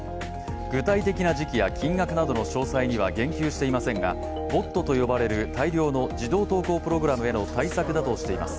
具体的な時期や金額などの詳細には言及していませんがｂｏｔと呼ばれる自動投稿システムへの対策だとしています。